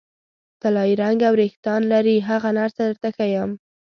طلايي رنګه وریښتان لري، هغه نرسه درته ښیم.